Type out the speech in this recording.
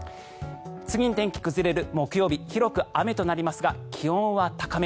次に天気が崩れる木曜日広く雨となりますが気温は高め。